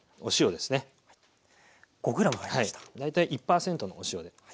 大体１％のお塩で。